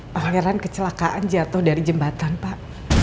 pangeran kecelakaan jatuh dari jembatan pak